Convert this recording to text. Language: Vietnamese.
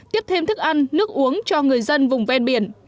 tiếp thêm thức ăn nước uống cho người dân vùng ven biển